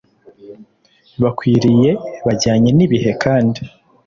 bakwiriye bajyanye n ibihe kandi